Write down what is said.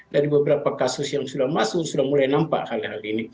dari beberapa kasus yang sudah masuk sudah mulai nampak hal hal ini